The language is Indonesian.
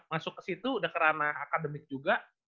masuk ke situ udah kerana akademik juga